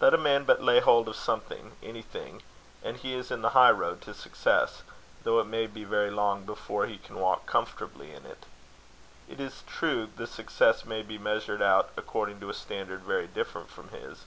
Let a man but lay hold of something anything, and he is in the high road to success though it may be very long before he can walk comfortably in it. It is true the success may be measured out according to a standard very different from his.